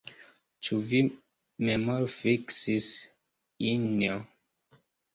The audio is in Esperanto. Ĉu vi memorfiksis, Injo?